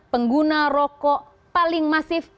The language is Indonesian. pengguna rokok paling masif